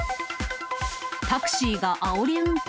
タクシーがあおり運転。